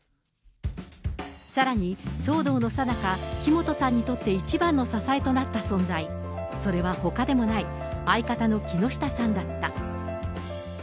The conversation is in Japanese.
さらに、騒動のさなか、木本さんにとって一番の支えとなった存在、それはほかでもない、相方の木下さんだった。